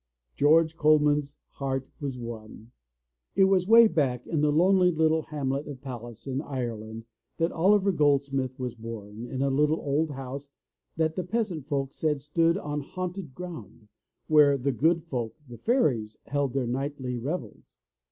George Coleman's heart was won! It was way back in the lonely little hamlet of Pallas, in Ire land, that Oliver Goldsmith was bom, in a little old house that the peasant folk said stood on haunted ground, where '*the good folk," the fairies, held their nightly revels.